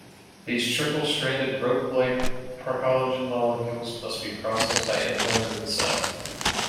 These triple-stranded, ropelike procollagen molecules must be processed by enzymes in the cell.